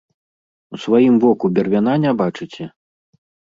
У сваім воку бервяна не бачыце!